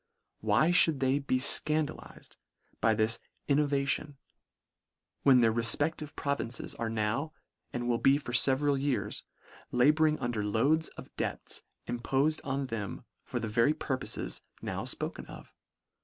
Why mould they be fcandalized by this innovati on, when their refpedlive provinces are now, and will be for feveral years, labouring un der loads of debts impofed on them for the very purpofes now fpoken of